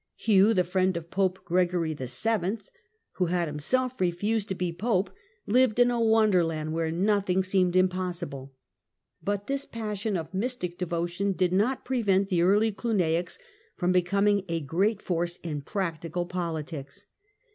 Hugh, the friend of Pope Gregory VII., who had himself refused to be Pope, lived in a wonderland where nothing seemed impossible. But this passion of mystic devotion did not prevent the early Cluniacs from becoming a great force in practical politics.